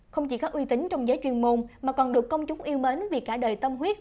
không chỉ có uy tín trong giới chuyên môn mà còn được công chúng yêu mến vì cả đời tâm huyết